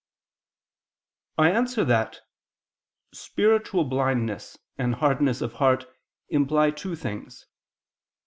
I answer that, Spiritual blindness and hardness of heart imply two things.